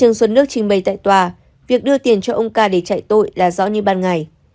trương xuân nước trình bày tại tòa việc đưa tiền cho ông ca để chạy tội là rõ như ban ngày